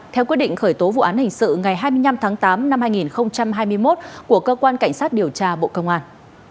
theo quyết định khởi tố vụ án hình sự ngày hai mươi năm tháng tám năm hai nghìn hai mươi một của cơ quan cảnh sát điều tra bộ công an